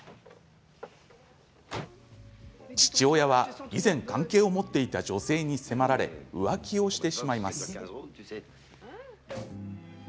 父親は、以前関係を持っていた女性に迫られ浮気をしてしまいます。